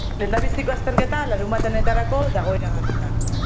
Lehendabiziko azterketa larunbat honetarako dago iragarrita.